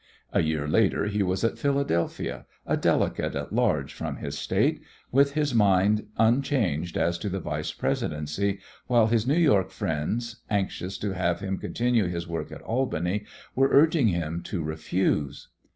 A year later he was at Philadelphia, a delegate at large from his State, with his mind unchanged as to the Vice Presidency, while his New York friends, anxious to have him continue his work at Albany, were urging him to refuse.